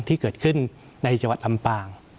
ที่เกิดขึ้นในจังหวัดลำปาง